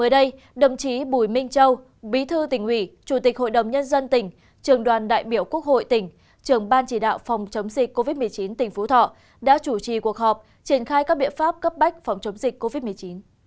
đây đồng chí bùi minh châu bí thư tỉnh ủy chủ tịch hội đồng nhân dân tỉnh trường đoàn đại biểu quốc hội tỉnh trường ban chỉ đạo phòng chống dịch covid một mươi chín tỉnh phú thọ đã chủ trì cuộc họp triển khai các biện pháp cấp bách phòng chống dịch covid một mươi chín